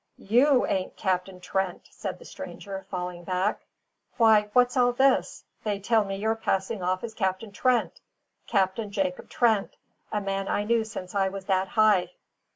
"YOU ain't Captain Trent!" said the stranger, falling back. "Why, what's all this? They tell me you're passing off as Captain Trent Captain Jacob Trent a man I knew since I was that high."